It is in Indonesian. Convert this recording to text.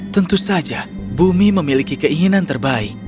tentu saja bumi memiliki keinginan terbaik